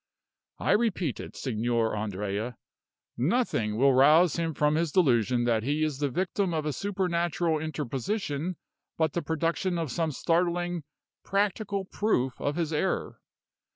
I repeat it, Signor Andrea, nothing will rouse him from his delusion that he is the victim of a supernatural interposition but the production of some startling, practical proof of his error.